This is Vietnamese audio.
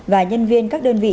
và nhân viên các đơn vị